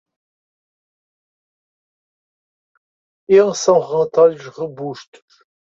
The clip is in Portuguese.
Eles são relatórios robustos.